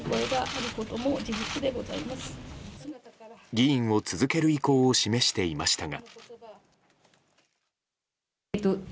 議員を続ける意向を示していましたが。